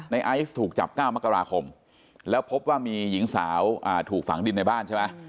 ไอซ์ถูกจับ๙มกราคมแล้วพบว่ามีหญิงสาวถูกฝังดินในบ้านใช่ไหม